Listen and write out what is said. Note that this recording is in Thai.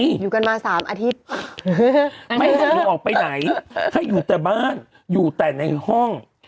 อยู่กันมาสามอาทิตย์ไม่ให้ออกไปไหนให้อยู่แต่บ้านอยู่แต่ในห้อง